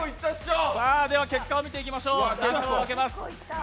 では結果を見ていきましょう中を開けます。